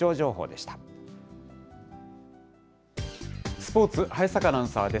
スポーツ、早坂アナウンサーです。